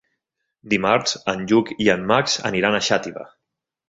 Dimarts en Lluc i en Max aniran a Xàtiva.